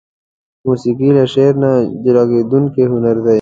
موسيقي له شعر نه جلاکيدونکى هنر دى.